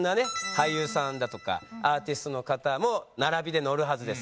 俳優さんだとかアーティストの方も並びで載るはずです。